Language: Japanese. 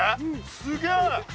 すげえ！